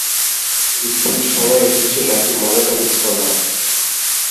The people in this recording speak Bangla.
কি ঠিক সময়ে এসেছি নাকি মজাটা মিস করলাম?